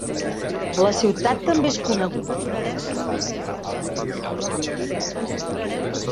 La ciutat també és coneguda per les seves síndries, que són part de la seva marca.